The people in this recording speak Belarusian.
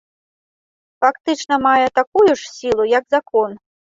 Фактычна мае такую ж сілу, як закон.